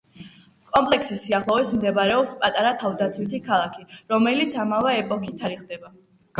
კომპლექსის სიახლოვეს მდებარეობს პატარა თავდაცვითი ქალაქი, რომელიც ამავე ეპოქით თარიღდება.